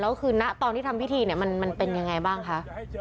แล้วคือณตอนที่ทำพิธีมันเป็นอย่างไรบ้างคะ